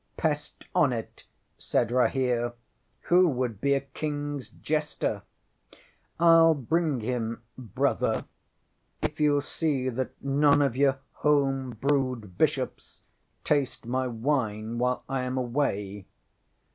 ŌĆØ ŌĆśŌĆ£Pest on it, ŌĆØ said Rahere. ŌĆ£Who would be a KingŌĆÖs jester? IŌĆÖll bring him, Brother, if youŌĆÖll see that none of your home brewed bishops taste my wine while I am away.